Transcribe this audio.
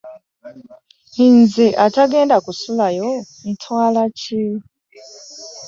Nze atagenda kusulayo ntwala ki?